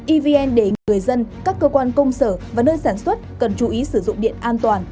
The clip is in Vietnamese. evn đề nghị người dân các cơ quan công sở và nơi sản xuất cần chú ý sử dụng điện an toàn